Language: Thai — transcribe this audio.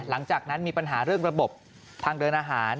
หลังจากนั้นมีปัญหาเรื่องระบบทางเดินอาหาร